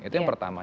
itu yang pertama